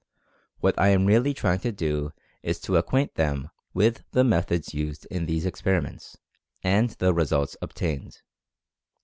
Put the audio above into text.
What I am really trying to do is to ac quaint them with the methods used in these experi ments, and the results obtained.